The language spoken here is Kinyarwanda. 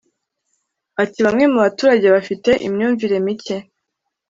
Ati’’ Bamwe mu baturage bafite imyumvire mike